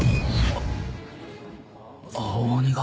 青鬼が？